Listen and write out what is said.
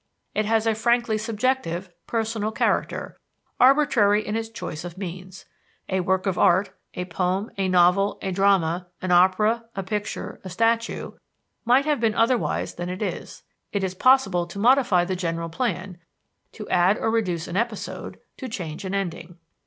It has a frankly subjective, personal character, arbitrary in its choice of means. A work of art a poem, a novel, a drama, an opera, a picture, a statue might have been otherwise than it is. It is possible to modify the general plan, to add or reduce an episode, to change an ending.